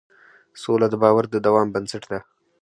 سوله د باور د دوام بنسټ ده.